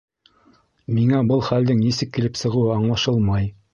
Миңә был хәлдең нисек килеп сығыуы аңлашылмай.